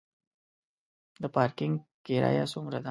د پارکینګ کرایه څومره ده؟